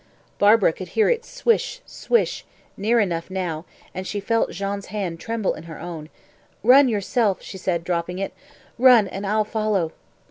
Barbara could hear its swish, swish, near enough now, and she felt Jean's hand tremble in her own. "Run yourself," she said, dropping it. "Run, and I'll follow."